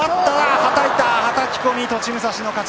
はたき込み、栃武蔵の勝ち